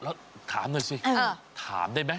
แล้วถามหน่อยสิถามได้ไหม